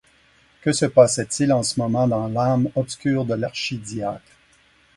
Que se passait-il en ce moment dans l'âme obscure de l'archidiacre?